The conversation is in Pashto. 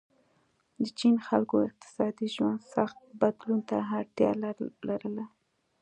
د چین خلکو اقتصادي ژوند سخت بدلون ته اړتیا لرله.